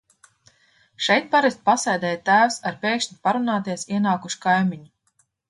Šeit parasti pasēdēja tēvs ar pēkšņi parunāties ienākušu kaimiņu.